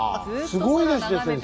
すごいですね先生。